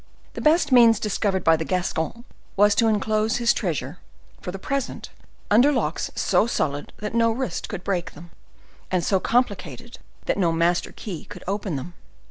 The best means discovered by the Gascon was to inclose his treasure, for the present, under locks so solid that no wrist could break them, and so complicated that no master key could open them.